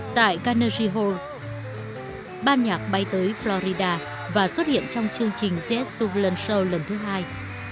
tại carnegie hall ban nhạc bay tới florida và xuất hiện trong chương trình the s suverland soul lần thứ hai